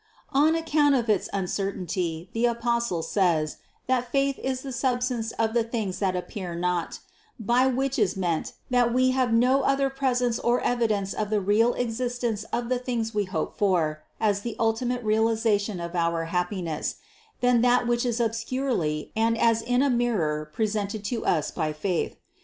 On account of its uncertainty, the Apostle says, that faith is the substance of the things that appear not ; by which is meant, that we have no other presence or evidence of the real existence of the things we hope for as the ultimate realization of our happiness, than that which is obscurely and as in a mirror presented to us by faith.